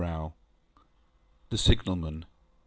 ŌĆØ THE SIGNAL MAN.